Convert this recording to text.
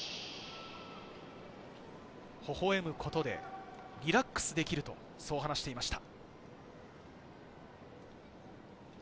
ほほえむことでリラックスできると話していました。